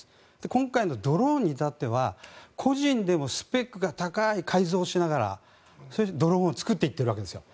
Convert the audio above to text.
今回のドローンに至っては個人でもスペックが高い改造しながら、ドローンを作っていっているわけです。